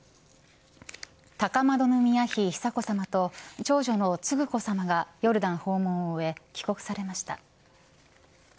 高円宮妃久子さまと長女の承子さまがヨルダン訪問を終え帰国されました。